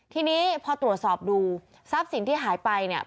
ทีนี้พอตรวจสอบดูทรัพย์สินที่หายไปเนี่ย